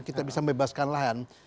kita bisa membebaskan lahan